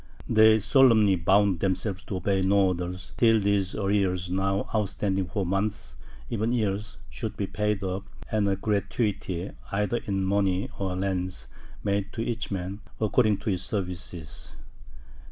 They solemnly bound themselves to obey no orders, till these arrears, now outstanding for months, and even years, should be paid up, and a gratuity, either in money or lands, made to each man, according to his services.